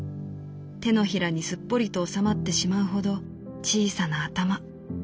掌にすっぽりと収まってしまうほど小さな頭。